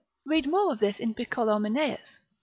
Read more of this in Picolomineus grad.